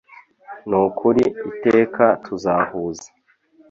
Nukuri iteka tuzahuza